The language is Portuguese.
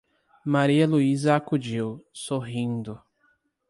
Maria Luísa acudiu, sorrindo: